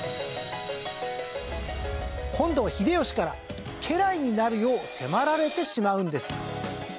今度は秀吉から家来になるよう迫られてしまうんです。